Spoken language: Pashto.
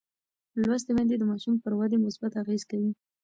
لوستې میندې د ماشوم پر ودې مثبت اغېز کوي.